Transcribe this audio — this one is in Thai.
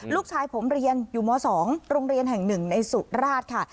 ลูกชายผมเรียนอยู่ม๒โรงเรียนแห่ง๑ในสุราชค่ะ